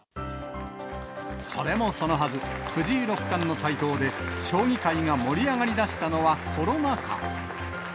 それもそのはず、藤井六冠の台頭で将棋界が盛り上がりだしたのはコロナ禍。